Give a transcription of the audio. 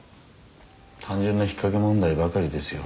単純な引っかけ問題ばかりですよ